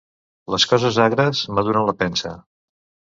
Les coses agres maduren la pensa.